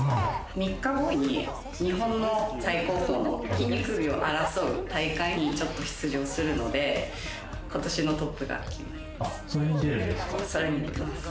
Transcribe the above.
３日後に日本の最高峰の筋肉美を争う大会にちょっと出場するので、今年のトップが決まります。